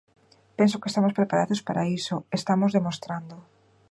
Penso que estamos preparados para iso, estamos demostrando.